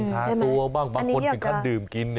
ทาตัวบ้างบางคนถึงขั้นดื่มกิน